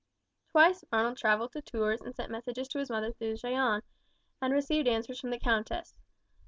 Twice Ronald travelled to Tours and sent messages to his mother through Jeanne, and received answers from the countess.